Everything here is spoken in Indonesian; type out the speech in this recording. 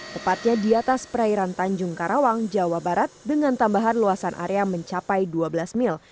tepatnya di atas perairan tanjung karawang jawa barat dengan tambahan luasan area mencapai dua belas mil